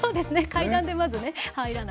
階段でまずね入らない。